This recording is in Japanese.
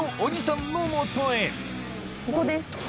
ここです。